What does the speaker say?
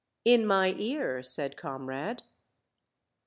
"In my ear," said Comrade.